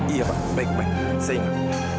iya pak baik baik saya ingat